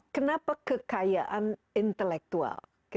kenapa kekayaan intelektual